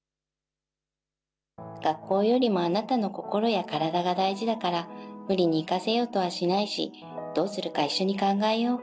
学校よりもあなたの心や体が大事だから、無理に行かせようとはしないし、どうするか一緒に考えよう。